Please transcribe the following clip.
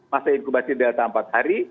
masa inkubasi delta empat hari